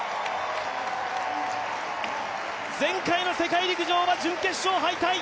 前回の世界陸上は準決勝敗退。